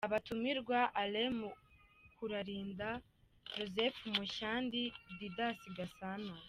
Abatumirwa: – Alain Mukuralinda – Joseph Mushyandi – Didas Gasana